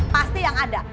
pasti yang ada